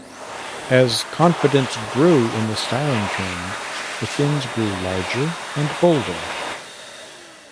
As confidence grew in the styling trend, the fins grew larger and bolder.